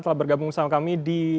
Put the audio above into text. telah bergabung bersama kami di